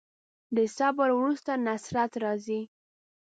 د صبر وروسته نصرت راځي.